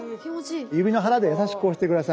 指の腹で優しく押してください。